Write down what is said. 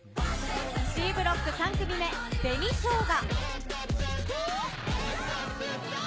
Ｃブロック３組目、紅しょうが。